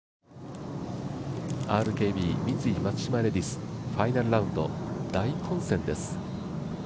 ＲＫＢ×三井松島レディスファイナルラウンド大混戦です